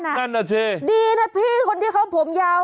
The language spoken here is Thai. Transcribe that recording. นั่นน่ะสิดีนะพี่คนที่เขาผมยาว